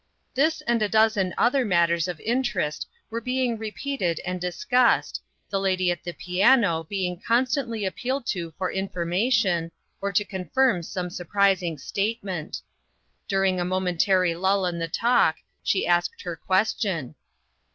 This and a dozen other matters of inter est were being repeated and discussed, the lady at the piano being constantly appealed to for information, or to confirm some sur prising statement. During a momentary lull in the talk, she asked her question.